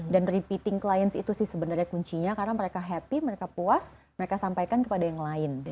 dan repeating clients itu sih sebenarnya kuncinya karena mereka happy mereka puas mereka sampaikan kepada yang lain